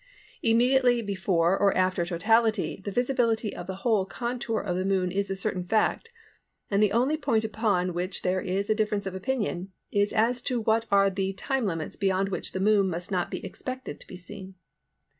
Immediately before or after totality the visibility of the whole contour of the Moon is a certain fact; and the only point upon which there is a difference of opinion is as to what are the time limits beyond which the Moon must not be expected to be seen.